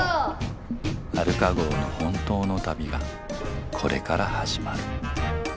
アルカ号の本当の旅がこれから始まる。